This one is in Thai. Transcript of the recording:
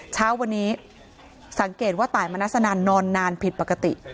เช้าวันนี้สังเกตว่าตายมนัสนันนอนนานผิดปกติ